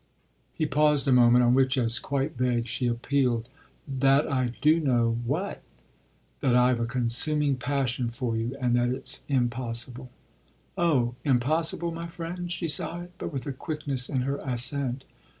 He paused a moment; on which, as quite vague, she appealed. "That I 'do know' what?" "That I've a consuming passion for you and that it's impossible." "Oh impossible, my friend!" she sighed, but with a quickness in her assent.